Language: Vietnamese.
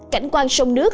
cảnh quan sông nước